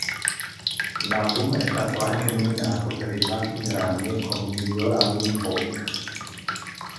L'album è stato anche nominato per il Latin Grammy come miglior album folk.